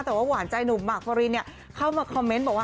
แต่ว่าหวานใจหนุ่มหมากฟอรินเข้ามาคอมเมนต์บอกว่า